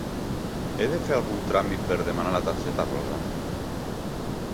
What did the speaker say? He de fer algun tràmit per demanar la targeta rosa?